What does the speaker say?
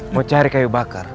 mau cari kayu bakar